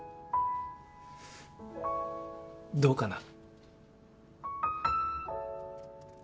どうかな？